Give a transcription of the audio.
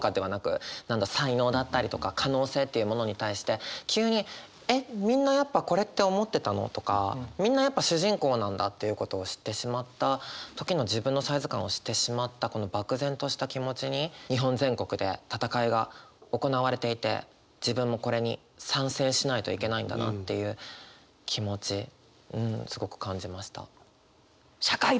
才能だったりとか可能性っていうものに対して急にえっみんなやっぱこれって思ってたの？とかみんなやっぱ主人公なんだということを知ってしまった時の自分のサイズ感を知ってしまったこの漠然とした気持ちに日本全国で闘いが行われていて自分もこれに参戦しないといけないんだなっていう気持ちうんすごく感じました。